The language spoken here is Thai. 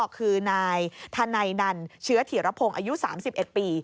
คือนายธนัยนันเชื้อถีระพงศ์อายุ๓๑ปี